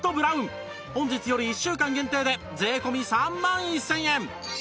本日より１週間限定で税込３万１０００円